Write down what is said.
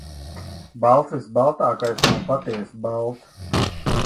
Balts visbaltākais nav patiesi balts.